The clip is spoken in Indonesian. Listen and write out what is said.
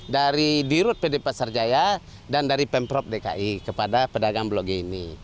dari dirut pd pasar jaya dan dari pemprov dki kepada pedagang blok g ini